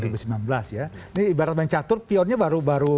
ini ibarat ibaran catur pionnya baru